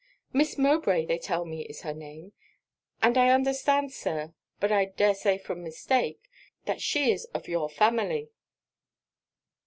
'Miss Mowbray, they tell me, is her name; and I understand, Sir but I dare say from mistake that she is of your family.'